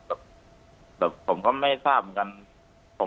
แบบผมก็ไม่ทราบเหมือนกัน